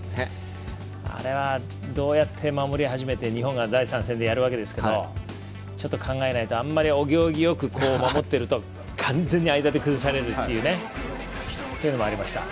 あれはどうやって守り始めて日本が第３戦でやるわけですがちょっと考えないと、お行儀よく守っていると完全に間で崩されるっていうのもありました。